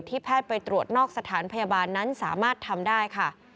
แพทย์ไปตรวจนอกสถานพยาบาลนั้นสามารถทำได้ค่ะ